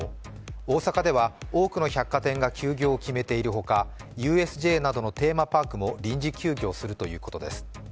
大阪では多くの百貨店が休業を決めているほかＵＳＪなどのテーマパークも臨時休業するということです。